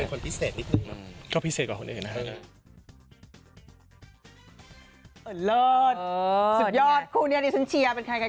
ก็เป็นคนพิเศษนิดนึงนะครับ